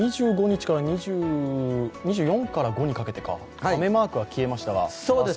２４日から２５日にかけて雨マークが消えましたが？